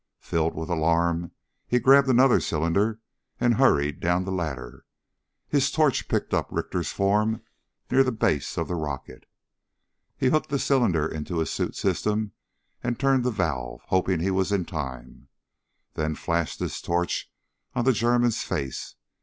Filled with alarm he grabbed another cylinder and hurried down the ladder. His torch picked up Richter's form near the base of the rocket. He hooked the cylinder into his suit system and turned the valve, hoping he was in time, then flashed his torch on the German's face.